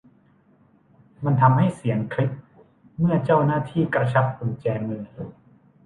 มันทำให้เสียงคลิกเมื่อเจ้าหน้าที่กระชับกุญแจมือ